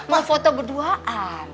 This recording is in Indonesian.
mau foto berduaan